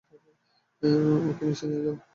ওকে নিচে নিয়ে যাও।